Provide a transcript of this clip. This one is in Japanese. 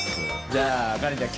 じゃあカレンちゃん